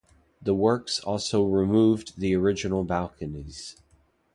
The works also removed the original balconies.